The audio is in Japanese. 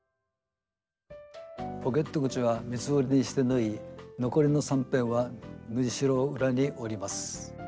ポケット口は三つ折りにして縫い残りの三辺は縫いしろを裏に折ります。